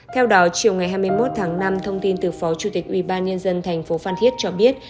theo đó chiều ngày hai mươi một tháng năm thông tin từ phó chủ tịch ubnd tp phan thiết cho biết